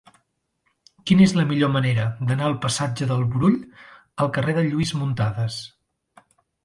Quina és la millor manera d'anar del passatge del Brull al carrer de Lluís Muntadas?